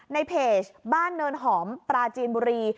ในเพจบ้านเนินหอมปราจีนบุรี